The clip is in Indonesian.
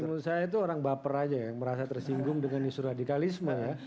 menurut saya itu orang baper aja yang merasa tersinggung dengan isu radikalisme ya